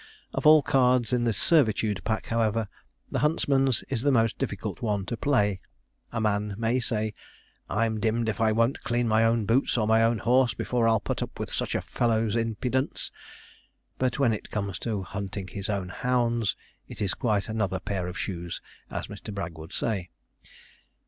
Of all cards in the servitude pack, however, the huntsman's is the most difficult one to play. A man may say, 'I'm dim'd if I won't clean my own boots or my own horse, before I'll put up with such a fellow's impudence'; but when it comes to hunting his own hounds, it is quite another pair of shoes, as Mr. Bragg would say.